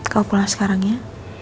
kamu pulang sekarang ya